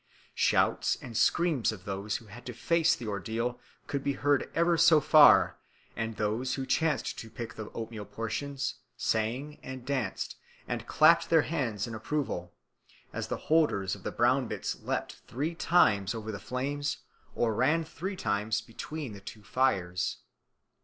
Shouts and screams of those who had to face the ordeal could be heard ever so far, and those who chanced to pick the oatmeal portions sang and danced and clapped their hands in approval, as the holders of the brown bits leaped three times over the flames, or ran three times between the two fires."